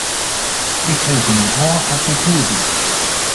Ik freegje my ôf oft dit goed is.